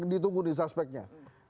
ditunggu di suspeknya